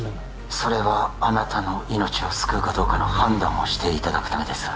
それはあなたの命を救うかどうかの判断をしていただくためです